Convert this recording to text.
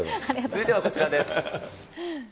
続いてはこちらです。